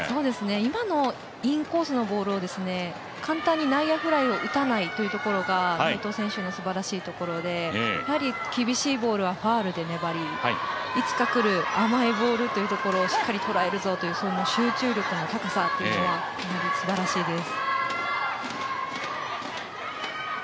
今のインコースのボールを簡単に内野フライを打たないというところが内藤選手のすばらしいところでやはり、厳しいボールはファウルで粘りいつかくる甘いボールというところをしっかりとらえるぞという集中力の高さというのはすばらしいです。